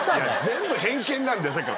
全部偏見なんだよさっきから。